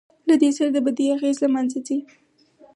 له دې سره د بدۍ اغېز له منځه ځي.